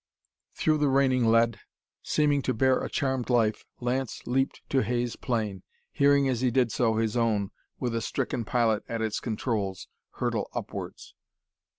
Through the raining lead, seeming to bear a charmed life, Lance leaped to Hay's plane, hearing as he did so his own, with a stricken pilot at its controls, hurtle upwards.